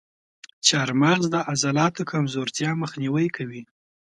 چارمغز د عضلاتو کمزورتیا مخنیوی کوي.